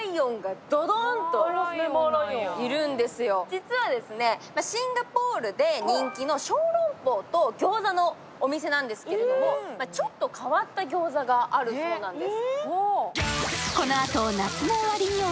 実はシンガポールで人気の小籠包と餃子のお店なんですけれども、ちょっと変わった餃子があるそうなんです。